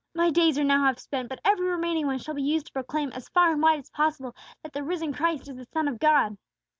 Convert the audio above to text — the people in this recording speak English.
My days are now half spent, but every remaining one shall be used to proclaim, as far and wide as possible, that the risen Christ is the Son of God!"